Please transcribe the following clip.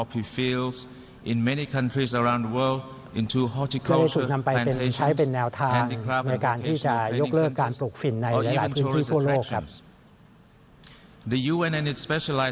เพื่อเลยถูกนำไปใช้เป็นแนวทางในการที่จะยกลืบการปลูกฝิ่นในหลายพื้นที่ทั่วโลกนะครับ